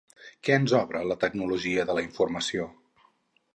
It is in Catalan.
Què ens obre la tecnologia de la informació?